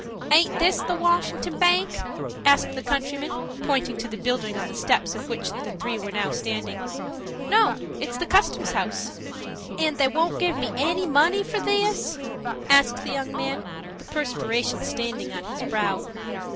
"Aint this the Washington Bank?" asked the countryman, pointing to the building on the steps of which the three were now standing. "No, it's the Custom House." "And won't they give me any money for this?" asked the young man, the perspiration standing on his brow.